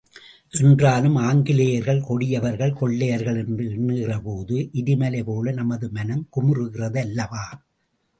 என்றாலும், ஆங்கிலேயர்கள் கொடியவர்கள் கொள்ளையர்கள் என்று எண்ணுகிற போது, எரிமலை போல நமது மனம் குமுறுகிறது அல்லவா?